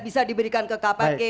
bisa diberikan ke kpk